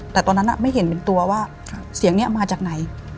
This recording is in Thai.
แต่ตอนนั้นไม่เห็นเป็นตัวว่าเสียงนี้มาจากไหน